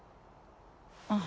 ああ。